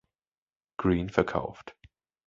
Green verkauft.